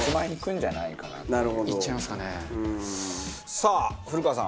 さあ古川さん